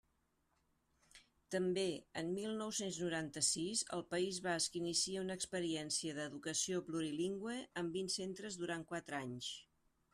També, en mil nou-cents noranta-sis, el País Basc inicia una experiència d'educació plurilingüe en vint centres durant quatre anys.